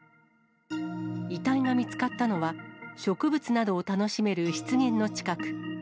遺体が見つかったのは、植物などを楽しめる湿原の近く。